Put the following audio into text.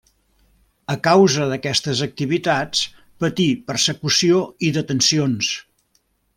A causa d'aquestes activitats, patí persecució i detencions.